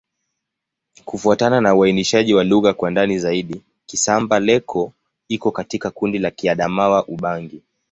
Kufuatana na uainishaji wa lugha kwa ndani zaidi, Kisamba-Leko iko katika kundi la Kiadamawa-Ubangi.